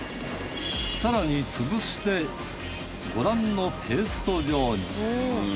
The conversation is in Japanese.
更に潰してご覧のペースト状に。